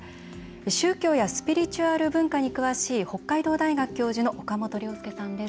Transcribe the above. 宗教やスピリチュアル文化に詳しい北海道大学教授の岡本亮輔さんです。